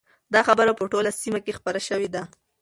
دا خبره په ټوله سیمه کې خپره شوې ده.